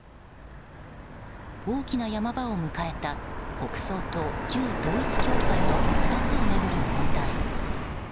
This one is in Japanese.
大きな山場を迎えた国葬と旧統一教会の２つを巡る問題。